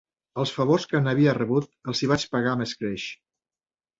Els favors que n'havia rebut, els hi vaig pagar amb escreix.